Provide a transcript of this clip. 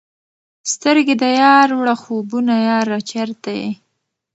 سترګي د یار وړه خوبونه یاره چیرته یې؟